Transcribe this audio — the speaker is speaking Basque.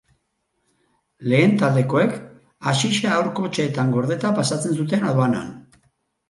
Lehen taldekoek, haxixa haur-kotxeetan gordeta pasatzen zuten aduanan.